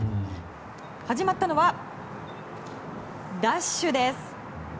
始まったのは、ダッシュです。